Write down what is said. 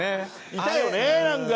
いたよねなんか。